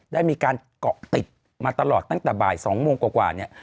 ได้มีการเกาะติดมาตลอดตั้งแต่บ่าย๒โมงกว่าเนี่ย